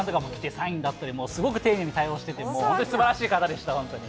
サインだったり、もうすごく丁寧に対応してて、本当すばらしい方でした、本当に。